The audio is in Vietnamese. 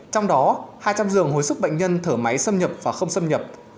trong đó hai trăm linh giường hồi sức bệnh nhân thở máy xâm nhập và không xâm nhập